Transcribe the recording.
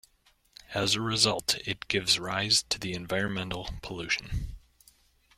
As a result, it gives rise to the environmental pollution.